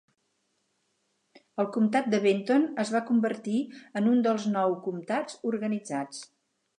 El comtat de Benton es va convertir en un dels nou comtats organitzats.